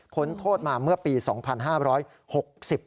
ค้นโทษมาเมื่อปี๒๕๖๐นะครับ